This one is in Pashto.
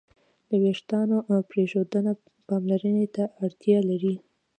د وېښتیانو پرېښودنه پاملرنې ته اړتیا لري.